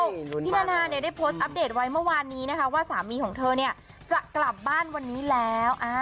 พี่นานะได้โพสต์อัปเดตไว้เมื่อวานนี้ว่าสามีของเธอจะกลับบ้านวันนี้แล้ว